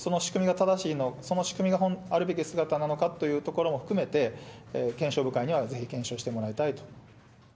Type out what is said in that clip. その仕組みがあるべき姿なのかというところも含めて、検証部会にはぜひ検証してもらいたいと。